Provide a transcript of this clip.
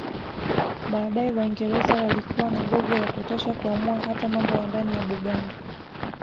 Baadae Waingereza walikuwa na nguvu ya kutosha kuamua hata mambo ya ndani ya Buganda